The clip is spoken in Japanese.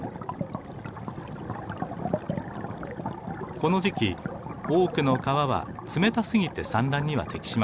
この時期多くの川は冷たすぎて産卵には適しません。